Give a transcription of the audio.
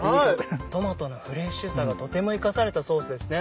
トマトのフレッシュさがとても生かされたソースですね。